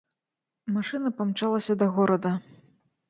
Машына памчалася да горада.